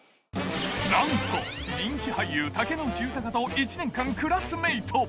なんと人気俳優、竹野内豊と１年間クラスメート。